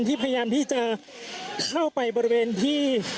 พยายามที่จะเข้าไปบริเวณที่